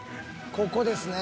［ここですね］